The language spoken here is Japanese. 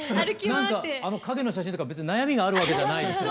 何かあの影の写真とか別に悩みがあるわけじゃないですよね。